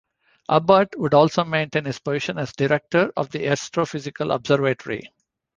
Abbot would also maintain his position as Director of the Astrophysical Observatory.